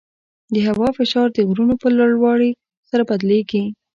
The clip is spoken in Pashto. د هوا فشار د غرونو په لوړوالي سره بدلېږي.